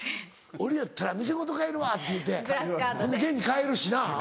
「俺やったら店ごと買えるわ」って言うて現に買えるしな。